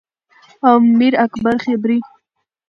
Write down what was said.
او میر اکبر خیبری